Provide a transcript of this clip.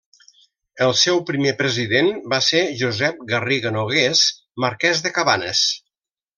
El seu primer president va ser Josep Garriga-Nogués, marqués de Cabanes.